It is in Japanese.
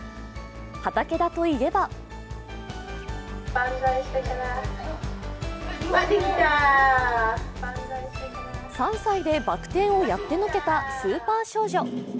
畠田といえば３歳でバク転をやってのけたスーパー少女。